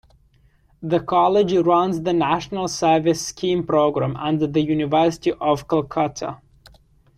The college runs the National Service Scheme programme under the University of Calcutta.